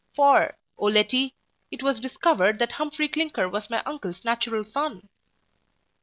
for, 0 Letty, it was discovered that Humphry Clinker was my uncle's natural son.